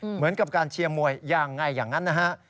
เหมือนกับการเชียร์มวยยังไงอย่างนั้นนะฮะ